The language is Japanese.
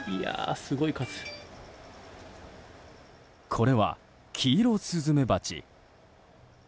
これは、キイロスズメバチ。